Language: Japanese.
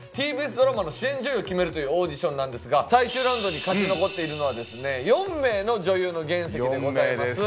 ＴＢＳドラマの主演女優を決めるというオーディションなんですが最終ラウンドに勝ち残っているのは４名の女優の原石でございます